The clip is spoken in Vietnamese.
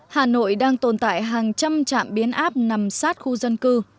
hà nội đang tồn tại hàng trăm trạm biến áp nằm sát khu dân cư